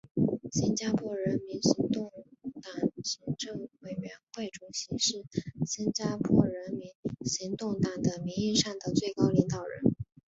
新加坡人民行动党行政委员会主席是新加坡人民行动党的名义上的最高领导人。